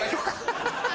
ハハハ！